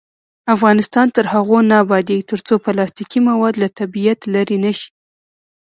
افغانستان تر هغو نه ابادیږي، ترڅو پلاستیکي مواد له طبیعت لرې نشي.